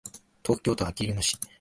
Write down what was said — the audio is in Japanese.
東京都あきる野市